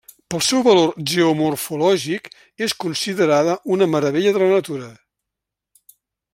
Pel seu valor geomorfològic és considerada una meravella de la natura.